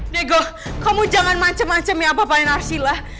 nego kamu jangan macem macemi apa apain arshila